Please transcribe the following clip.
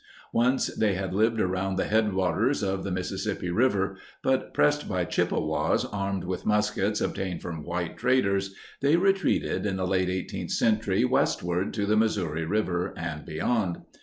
Once they had lived around the headwaters of the Missis sippi River, but, pressed by Chippewas armed with muskets obtained from white traders, they retreated in the late 18th century westward to the Missouri River and beyond.